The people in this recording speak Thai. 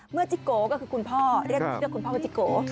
จิโกก็คือคุณพ่อเรียกคุณพ่อว่าจิโก